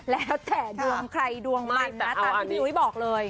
แล้วแต่ดวงใครดวงมันอะแต่พี่นิ้วไม่บอกเลย